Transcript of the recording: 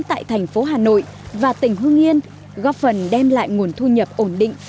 tại thành phố hà nội và tỉnh hương yên góp phần đem lại nguồn thu nhập ổn định